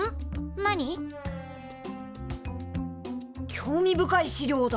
興味深い資料だ。